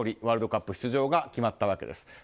ワールドカップ出場が決まったわけです。